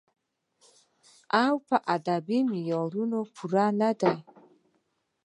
او پۀ ادبې معيارونو پوره نۀ دی